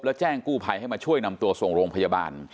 แล้วแจ้งกู้ภัยให้มาช่วยนำตัวส่งโรงพยาบาล